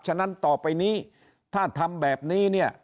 ฉะนั้นต่อไปนี้ถ้าทำแบบนี้เนี่ย